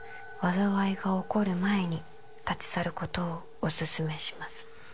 「災いが起こる前に立ち去ることをお勧めします」